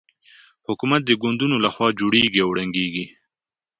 حکومتونه د ګوندونو له خوا جوړېږي او ړنګېږي.